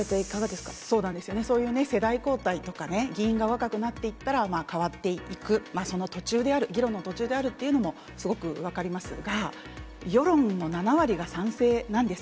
ーそういうせだいこうたいとかね議員が若くなっていったら、変わっていく、その途中である、議論の途中であるというのもすごく分かりますが、世論の７割が賛成なんです。